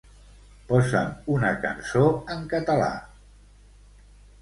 Posa'm una cançó en català